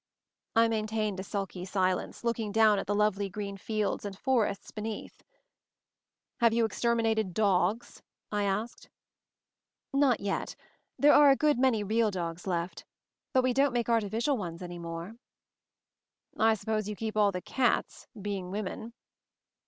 I maintained a sulky silence, looking down at the lovely green fields and forests be MOVING THE MOUNTAIN 151 neath. "Have you exterminated dogs?" I asked. "Not yet. There are a good many real dogs left. But we don't make artificial ones any more." "I suppose you keep all the cats — being women."